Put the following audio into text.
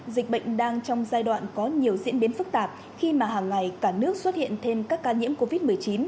dịch bệnh đang trong giai đoạn có nhiều diễn biến phức tạp khi mà hàng ngày cả nước xuất hiện thêm các ca nhiễm covid một mươi chín